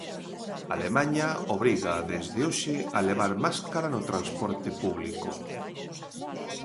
Alemaña obriga desde hoxe a levar máscara no transporte público.